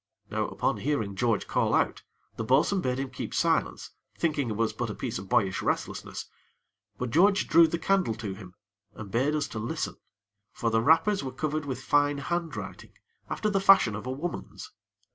Now, upon hearing George call out, the bo'sun bade him keep silence, thinking it was but a piece of boyish restlessness; but George drew the candle to him, and bade us to listen; for the wrappers were covered with fine handwriting after the fashion of a woman's.